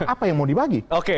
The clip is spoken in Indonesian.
apa yang mau dibagi